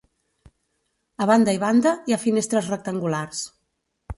A banda i banda hi ha finestres rectangulars.